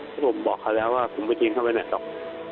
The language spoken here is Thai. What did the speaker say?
ผมบอกเขาแล้วว่าผมไม่ได้ยินเข้าไปในหดออก